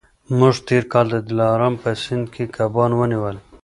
موږ تېر کال د دلارام په سیند کي کبان ونیول.